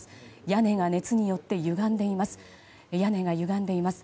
屋根が熱によってゆがんでいます。